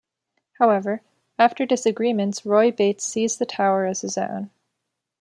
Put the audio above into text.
However, after disagreements, Roy Bates seized the tower as his own.